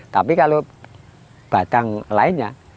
tapi kalau batang lainnya